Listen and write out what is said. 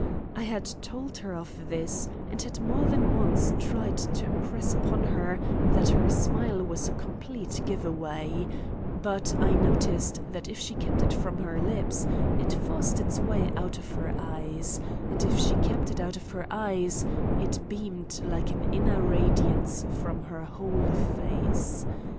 I had told her of this and had more than once tried to impress upon her that her smile was a complete give away, but I noticed that if she kept it from her lips, it forced its way out of her eyes, and if she kept it out of her eyes, it beamed like an inner radiance from her whole face.